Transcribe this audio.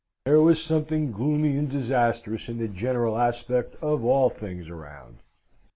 There was something gloomy and disastrous in the general aspect of all things around.